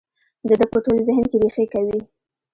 د ده په ټول ذهن کې رېښې کوي.